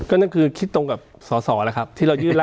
ก็นั่นคือคิดตรงกับสที่เรายื่นแล้ว